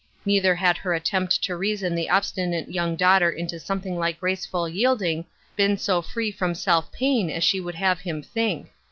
Neither had her attempt to reason the obstinate young daughter into something like graceful yielding been so free from self pain as she would "have him think.